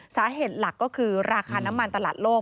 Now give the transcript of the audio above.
สาเหตุหลักก็คือราคาน้ำมันตลาดโลก